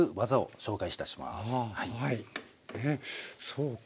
そうか。